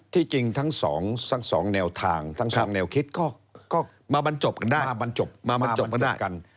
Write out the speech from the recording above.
ที่จริงทั้งสองแนวทางทั้งสองแนวคิดก็มาบรรจบกันได้